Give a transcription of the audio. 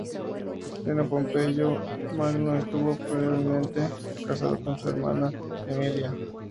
Cneo Pompeyo Magno estuvo brevemente casado con su hermana, Emilia.